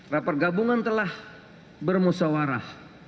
rapor gabungan telah bermusawarah